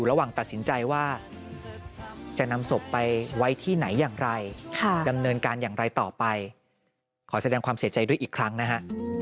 ขอแสดงความเสียใจด้วยอีกครั้งนะฮะ